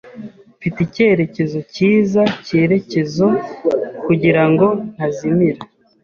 Mfite icyerekezo cyiza cyerekezo, kugirango ntazimira.